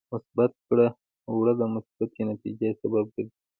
مثبت کړه وړه د مثبتې نتیجې سبب ګرځي.